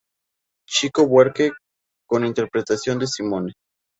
Chico Buarque con interpretación de Simone.